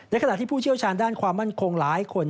ขณะที่ผู้เชี่ยวชาญด้านความมั่นคงหลายคน